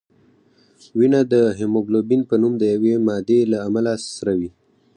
وینه د هیموګلوبین په نوم د یوې مادې له امله سره وي